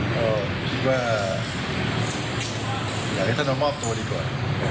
ก็คิดว่าอยากให้ท่านมามอบตัวดีกว่า